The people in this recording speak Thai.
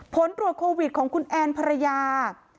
ผลตรวจโควิดของคุณแอนภรรยา